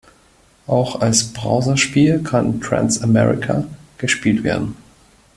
Auch als Browserspiel kann Trans America gespielt werden.